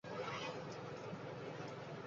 ওকে, বলে ফেল।